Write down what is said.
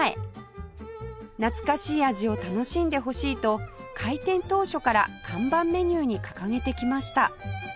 懐かしい味を楽しんでほしいと開店当初から看板メニューに掲げてきました